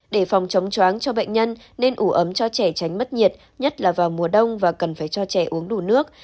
để phòng chống choáng cho bệnh nhân nên ủ ấm cho trẻ tránh mất nhiệt nhất là vào mùa đông và cần phải cho trẻ uống đủ nước